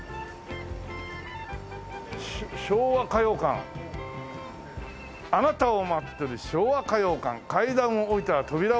「昭和歌謡館」「貴方を待ってる昭和歌謡館」「階段を降りたら扉を開いてね」